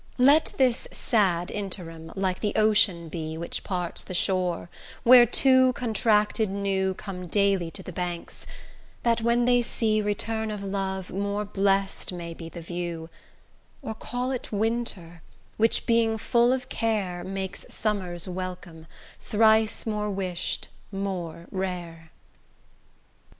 Let this sad interim like the ocean be Which parts the shore, where two contracted new Come daily to the banks, that when they see Return of love, more blest may be the view; Or call it winter, which being full of care, Makes summer's welcome, thrice more wished, more rare.